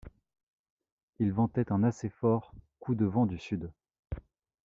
Il ventait un assez fort coup de vent du sud.